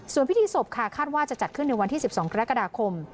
ส่วนพิธีศพค่ะคาดว่าจะจัดขึ้นในวันที่๑๒กรกฎาคม